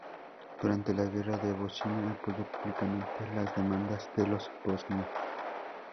Durante la Guerra de Bosnia apoyó públicamente las demandas de los bosnios.